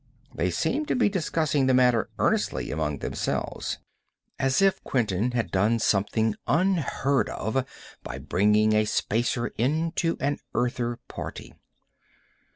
They seemed to be discussing the matter earnestly among themselves, as if Quinton had done something unheard of by bringing a Spacer into an Earther party.